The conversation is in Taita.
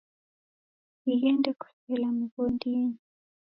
Dighende kusela mighondinyi.